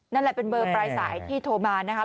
นั่นแหละเป็นเบอร์ปลายสายที่โทรมานะครับ